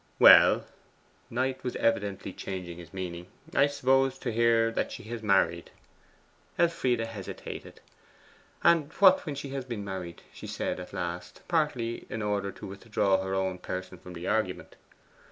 'Well' (Knight was evidently changing his meaning) 'I suppose to hear that she has married.' Elfride hesitated. 'And what when she has been married?' she said at last, partly in order to withdraw her own person from the argument.